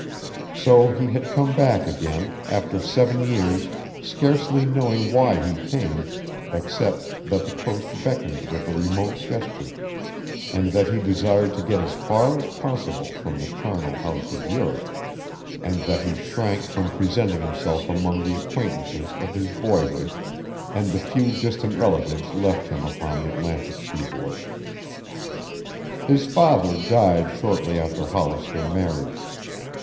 So he had come back again, after seven years, scarcely knowing why he came, except that the coast beckoned with a remote gesture, and that he desired to get as far as possible from the charnel house of Europe, and that he shrank from presenting himself among the acquaintances of his boyhood and the few distant relatives left him upon the Atlantic seaboard. His father died shortly after Hollister married.